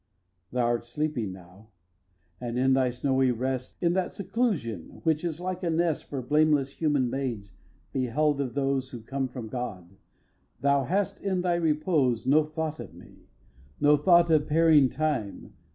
ix. Thou'rt sleeping now; and in thy snowy rest, In that seclusion which is like a nest For blameless human maids beheld of those Who come from God, thou hast in thy repose No thought of me, no thought of pairing time.